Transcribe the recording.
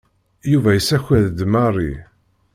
Yuba yessaked-d Mary.